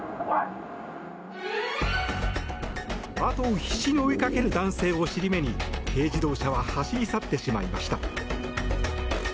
あとを必死に追いかける男性を尻目に軽自動車は走り去ってしまいました。